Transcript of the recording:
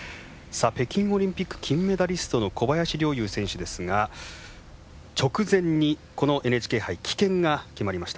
北京オリンピック金メダリストの小林陵侑選手ですが直前に、このＮＨＫ杯棄権が決まりました。